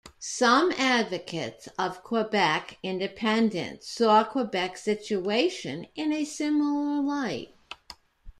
Some advocates of Quebec independence saw Quebec's situation in a similar light.